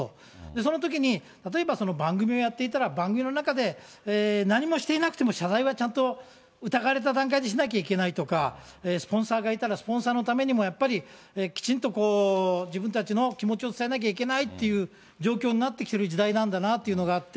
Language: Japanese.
そのときに、例えば番組をやっていたら、番組の中で何もしていなくても謝罪はちゃんと、疑われた段階でしなきゃいけないとか、スポンサーがいたら、スポンサーのためにもやっぱり、きちんと自分たちの気持ちを伝えなきゃいけないという状況になってきてる時代なんだなというのがあって。